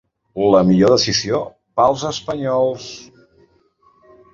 La millor decisió ‘pels espanyols’.